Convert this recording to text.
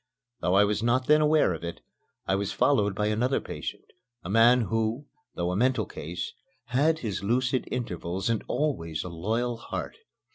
Though I was not then aware of it, I was followed by another patient, a man who, though a mental case, had his lucid intervals and always a loyal heart.